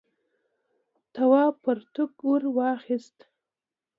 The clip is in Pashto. تواب پرتوگ ور واخیست.